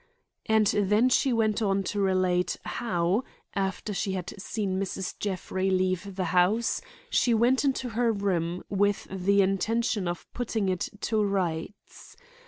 And then she went on to relate how, after she had seen Mrs. Jeffrey leave the house, she went into her room with the intention of putting it to rights.